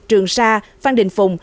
trường sa phan đình phùng